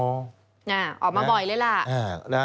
ออกมาบ่อยเลยล่ะ